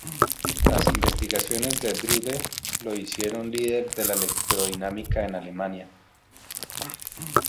Las investigaciones de Drude lo hicieron líder de la electrodinámica en Alemania.